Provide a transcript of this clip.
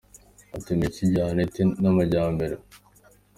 Ati “Imico ijyana ite n’amajyambere ?